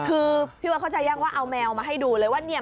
คือพี่เบิร์ดเข้าใจยากว่าเอาแมวมาให้ดูเลยว่าเนี่ย